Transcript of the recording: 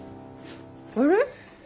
あれ？